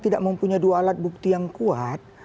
tidak mempunyai dua alat bukti yang kuat